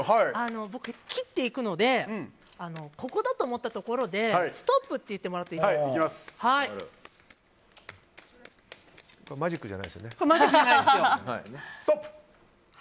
僕、切っていくのでここだと思ったところでストップって言ってもらってもストップ！